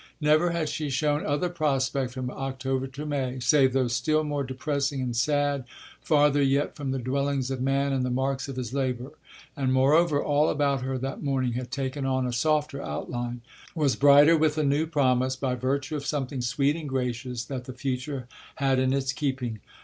Never had she known other prospect from October to May, save those still more depressing and sad, farther yet from the dwellings of man and the marks of his labour; and moreover all about her that morning had taken on a softer outline, was brighter with a new promise, by virtue of something sweet and gracious that the future had in its keeping.